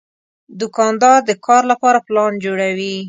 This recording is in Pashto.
دوکاندار د کار لپاره پلان جوړوي.